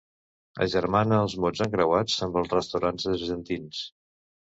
Agermana els mots encreuats amb els restaurants argentins.